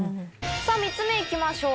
３つ目いきましょう。